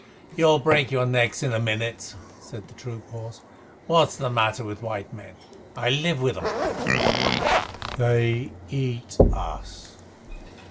"You'll break your necks in a minute," said the troop horse. "What's the matter with white men? I live with 'em." "They eat us!